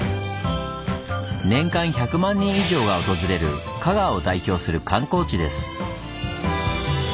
年間１００万人以上が訪れる香川を代表する観光地です。